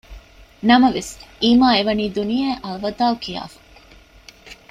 ނަމަވެސް އީމާ އެވަނީ ދުނިޔެއާ އަލްވަދާޢު ކިޔާފަ